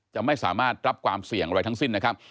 จะไม่สามารถรับความเสี่ยงอะไรทั้งสิ้นนะครับ